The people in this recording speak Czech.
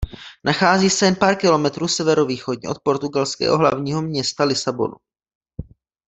Nachází se jen pár kilometrů severovýchodně od portugalského hlavního města Lisabonu.